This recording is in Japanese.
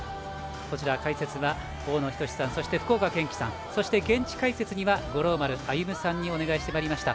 こちら解説は大野均さん、福岡堅樹さんそして現地解説は五郎丸歩さんにお願いしました。